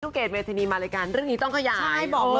ถุเกษเมธีนีมาด้วยการเรื่องนี้ต้องขยาย